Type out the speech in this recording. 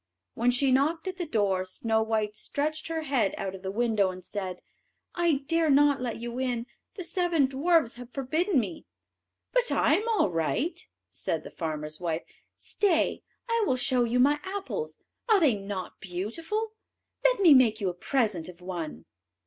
When she knocked at the door, Snow white stretched her head out of the window, and said, "I dare not let you in; the seven dwarfs have forbidden me." "But I am all right," said the farmer's wife. "Stay, I will show you my apples. Are they not beautiful? let me make you a present of one."